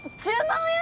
１０万円！？